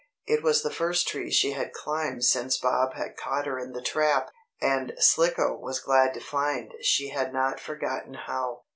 It was the first tree she had climbed since Bob had caught her in the trap, and Slicko was glad to find she had not forgotten how.